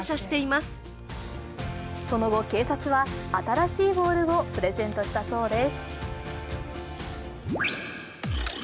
その後、警察は新しいボールをプレゼントしたそうです。